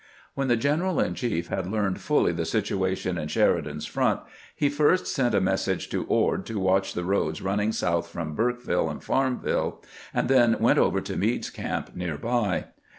When the general in chief bad learned fully the sit uation in Sheridan's front, he first sent a message to Ord to watcb the roads running south from Burkeville and Farmville, and then went over to Meade's camp near by.